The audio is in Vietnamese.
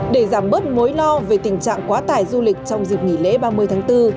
để giảm bớt mối lo về tình trạng quá tải du lịch trong dịp nghỉ lễ ba mươi tháng bốn